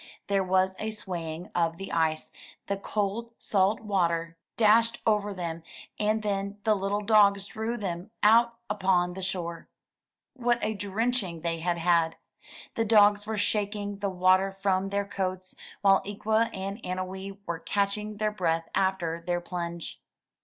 There was a swaying of the ice, the cold salt water 392 UP ONE PAIR OF STAIRS dashed over them, and then the little dogs drew them out upon the shore. What a drenching they had had! The dogs were shaking the water from their coats, while Ikwa and Annowee were catching their breath after their plunge.